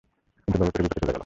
কিন্তু লোভে পড়ে বিপথে চলে গেল।